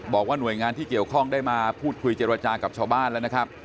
บอกว่าหน่วยงานที่เกี่ยวข้องได้มาพูดคุยเจรจากับชาวบ้านแล้วนะครับ